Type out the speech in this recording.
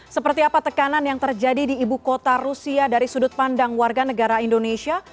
seperti apa tekanan yang terjadi di ibu kota rusia dari sudut pandang warga negara indonesia